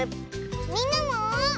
みんなも。